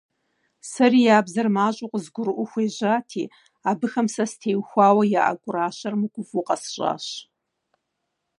Сэри я бзэр мащӀэу къызгурыӀуэу хуежьати, абыхэм сэ стеухуауэ яӀэ гуращэр мыгувэу къэсщӀащ.